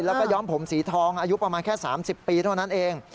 แล้วก็ย้อมผมสีทองอายุประมาณแค่๓๐ปีเท่านั้นเอง